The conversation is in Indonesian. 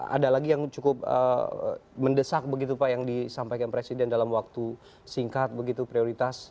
ada lagi yang cukup mendesak begitu pak yang disampaikan presiden dalam waktu singkat begitu prioritas